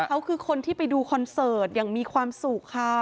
เขาคือคนที่ไปดูคอนเสิร์ตอย่างมีความสุขค่ะ